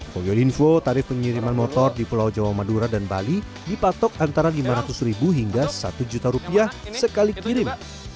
foyo info tarif pengiriman motor di pulau jawa madura dan bali dipatok antara lima ratus ribu hingga satu juta rupiah sekali kirim